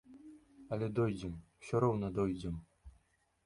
Але дойдзем, усё роўна дойдзем!